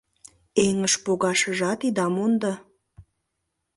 Эҥыж погашыжат ида мондо.